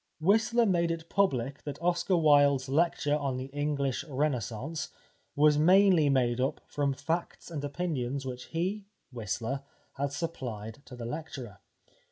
Whistler made it public that Oscar Wilde's lecture on the English Renaissance was mainly made up from facts and opinions which he, Whistler, had supplied to the lecturer.